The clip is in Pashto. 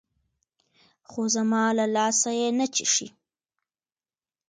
خو زما له لاسه يې نه چښي.